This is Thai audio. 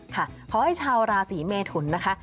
ขอให้ชาวราศีเมทุนนะคะ